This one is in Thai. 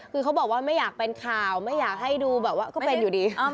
คือเขาบอกว่าไม่อยากเป็นข่าวไม่อยากให้ดูแบบว่าก็เป็นอยู่ดี